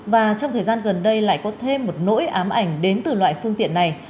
và trong thời gian gần đây lại có thêm một nỗi ám ảnh đến từ loại phương tiện này